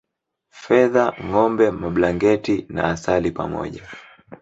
Fedha ngombe mablanketi na asali pamoja